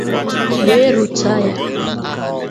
wee rụchaa ya.